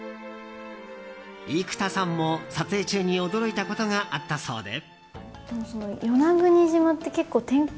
生田さんも撮影中に驚いたことがあったそうで。